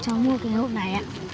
cho mua cái hộp này ạ